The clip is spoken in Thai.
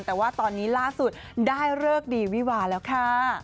แต่ว่าตอนนี้ล่าสุดได้เลิกดีวิวาแล้วค่ะ